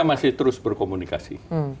kita masih terus berkomunikasi